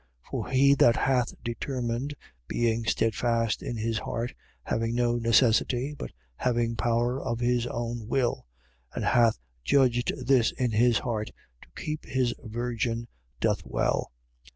For he that hath determined, being steadfast in his heart, having no necessity, but having power of his own will: and hath judged this in his heart, to keep his virgin, doth well.